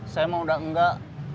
saya mau udah enggak